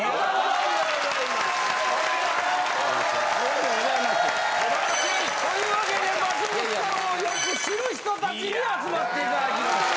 ・おめでとう・というわけで松本さんをよく知る人たちに集まっていただきました。